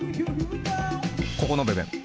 ここの部分。